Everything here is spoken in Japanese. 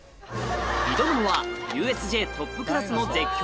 挑むのはＵＳＪトップクラスの絶叫